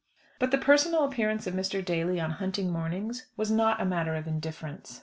But the personal appearance of Mr. Daly on hunting mornings, was not a matter of indifference.